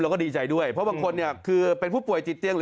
เราก็ดีใจด้วยเพราะบางคนนี่คือเป็นผู้ป่วยจิตเตื้อง